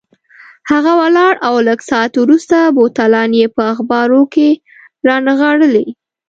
هغه ولاړ او لږ ساعت وروسته بوتلان یې په اخبارو کې رانغاړلي.